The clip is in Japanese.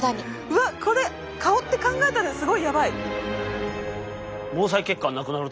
うわっこれ顔って考えたらすごいやばい！